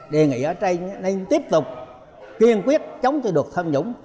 đề nghị ở đây nên tiếp tục kiên quyết chống thâm nhũng